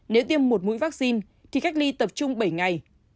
nếu tiêm một mũi vaccine thì cách ly tập trung bảy ngày